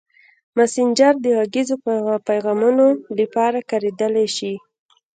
مسېنجر د غږیزو پیغامونو لپاره کارېدلی شي.